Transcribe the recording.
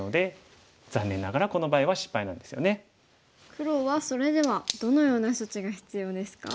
黒はそれではどのような処置が必要ですか？